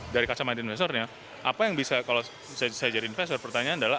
dari kacamata investornya apa yang bisa kalau bisa saya jadi investor pertanyaan adalah